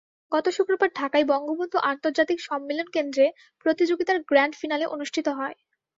গত শুক্রবার ঢাকার বঙ্গবন্ধু আন্তর্জাতিক সম্মেলন কেন্দ্রে প্রতিযোগিতার গ্র্যান্ডফিনালে অনুষ্ঠিত হয়।